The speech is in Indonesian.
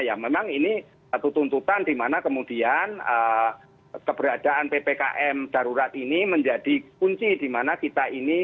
ya memang ini satu tuntutan di mana kemudian keberadaan ppkm darurat ini menjadi kunci di mana kita ini